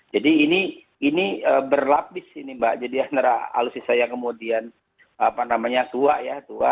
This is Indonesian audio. jadi ini ini berlapis ini mbak jadi alutsisaya kemudian apa namanya tua ya tua